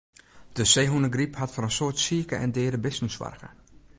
De seehûnegryp hat foar in soad sike en deade bisten soarge.